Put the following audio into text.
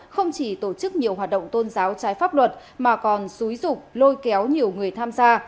không chỉ tổ chức nhiều hoạt động tôn giáo trái pháp luật mà còn xúi rục lôi kéo nhiều người tham gia